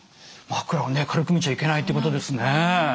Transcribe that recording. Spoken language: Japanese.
枕をね軽く見ちゃいけないってことですね。